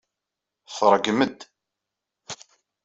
Tṛeggem-d.